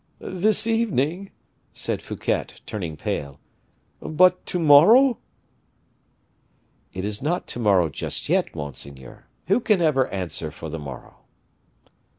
"This evening!" said Fouquet, turning pale, "but to morrow?" "It is not to morrow just yet, monseigneur. Who can ever answer for the morrow?"